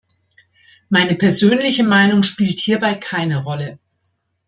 Meine persönliche Meinung spielt hierbei keine Rolle.